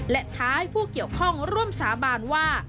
และท้าให้ผู้เกี่ยวข้องร่วมสาบานว่า